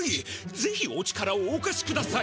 ぜひお力をおかしください。